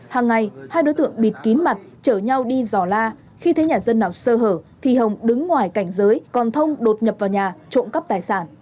hàng ngày hai đối tượng bịt kín mặt chở nhau đi dò la khi thấy nhà dân nào sơ hở thì hồng đứng ngoài cảnh giới còn thông đột nhập vào nhà trộm cắp tài sản